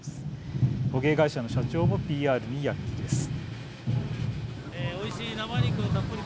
捕鯨会社の社長もＰＲに躍起です。